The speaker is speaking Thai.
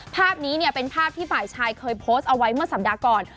ภาพนี้เนี่ยเป็นภาพที่ฝ่ายชายเคยโพสต์เอาไว้เมื่อสัปดาห์ก่อน